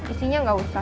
isinya enggak usah ya